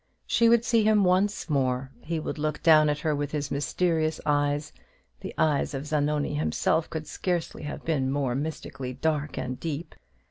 She would see him once more; he would look down at her with his mysterious eyes the eyes of Zanoni himself could scarcely have been more mystically dark and deep.